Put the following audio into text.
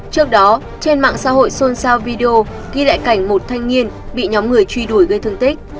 trước đó trên mạng xã hội xôn xao video ghi lại cảnh một thanh niên bị nhóm người truy đuổi gây thương tích